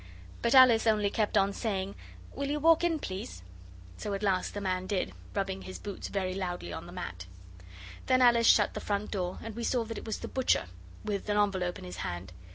But Alice only kept on saying, 'Will you walk in, please?' so at last the man did, rubbing his boots very loudly on the mat. Then Alice shut the front door, and we saw that it was the butcher, with an envelope in his hand.